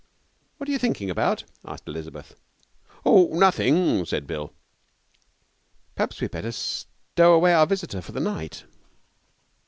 'What are you thinking about?' asked Elizabeth. 'Oh, nothing,' said Bill. 'Perhaps we had better stow away our visitor for the night.'